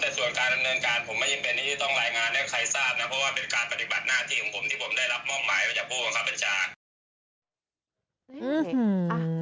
เพราะว่าเป็นการปฏิบัติหน้าที่ของผมที่ผมได้รับมองใหม่ว่าจะพูดของข้าเป็นชาติ